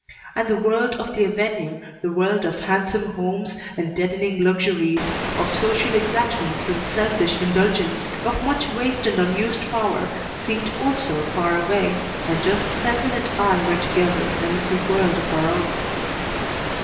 And the world of the Avenue, the world of handsome homes and deadening luxuries, of social exactions and selfish indulgence, of much waste and unused power, seemed also far away, and just Selwyn and I were together in a little world of our own.